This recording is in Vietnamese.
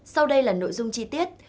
sau đây là nội dung chi tiết